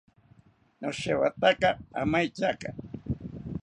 Noshewataka amaetyaka